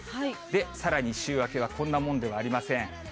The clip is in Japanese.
さらに週明けはこんなもんではありません。